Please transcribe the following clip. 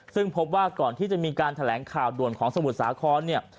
ซึ่งพบว่าก่อนที่จะมีการแถลงข่าวด่วนของสมุทรสาครเนี่ย